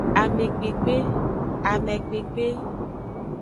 Amekpekpe, amekpekpe.